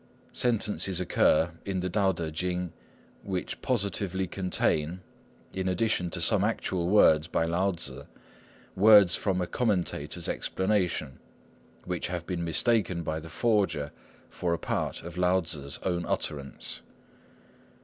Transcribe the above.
Sentences occur in the Tao Tê Ching which positively contain, in addition to some actual words by Lao Tzŭ, words from a commentator's explanation, which have been mistaken by the forger for a part of Lao Tzŭ's own utterance.